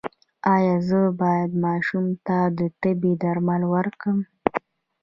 ایا زه باید ماشوم ته د تبې درمل ورکړم؟